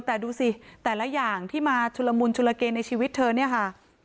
แต่ดูสิแต่ละอย่างที่มาชุลมุนชุลเกในชีวิตเธอเนี่ยค่ะ